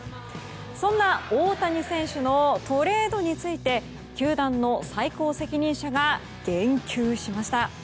そんな大谷選手のトレードについて球団の最高責任者が言及しました。